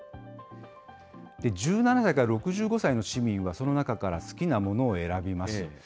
１７歳から６５歳の市民はその中から好きな物を選びます。